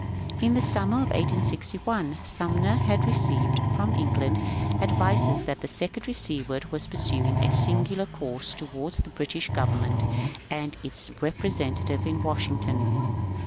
In the summer of 1861 Sumner had received from Eng land advices that Secretary Seward was pursuing a singular course towards the British government and its represent ative at Washington.